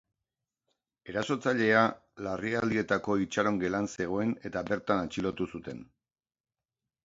Erasotzailea larrialdietako itxaron gelan zegoen eta bertan atxilotu zuten.